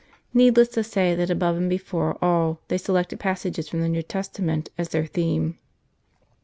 Needless to say that above and before all they selected passages from the New Testament as their theme.